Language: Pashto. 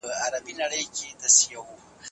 که ماضي هېره کړو نو راتلونکی نشو جوړولی.